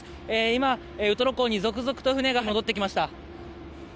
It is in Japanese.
今、ウトロ港に続々と船が戻ってきました。